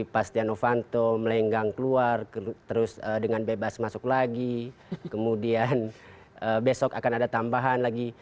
pastianovanto melenggang keluar terus dengan bebas masuk lagi kemudian besok akan ada tambahan lagi